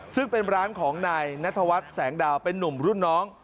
ซึ่งเป็นร้านของนายนัทวัฒน์แสงดาวเป็นนุ่มรุ่นน้อง